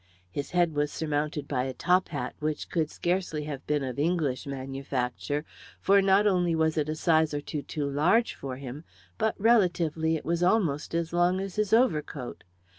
His head was surmounted by a top hat, which could scarcely have been of English manufacture, for not only was it a size or two too large for him, but, relatively, it was almost as long as his overcoat.